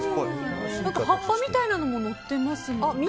葉っぱみたいなのものってますよね。